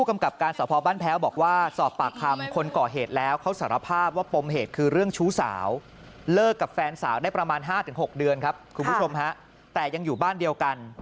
ไม่รู้เรื่องเลย